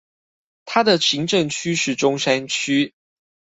他的行政區是中山區